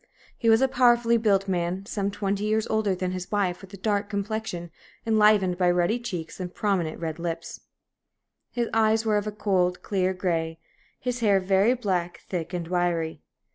He was a powerfully built man, some twenty years older than his wife, with a dark complexion, enlivened by ruddy cheeks and prominent, red lips. His eyes were of a cold, clear gray; his hair very black, thick, and wiry.